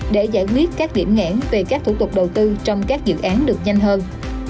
để giải quyết các điểm nghẽn về các thủ tục đầu tư trong các dự án được nhanh hơn